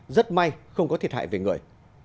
rất may không có thiệt hại về người